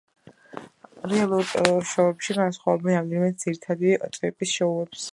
რეალურ ტელეშოუებში განასხვავებენ რამდენიმე ძირითადი ტიპის შოუებს.